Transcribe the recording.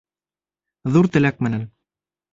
Ҙур теләк менән